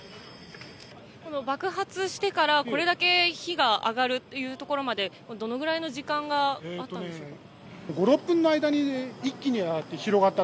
爆発してからこれだけ火が上がるところまでどのくらいの時間があったんですか？